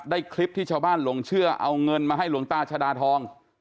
คลิปที่ชาวบ้านหลงเชื่อเอาเงินมาให้หลวงตาชดาทอง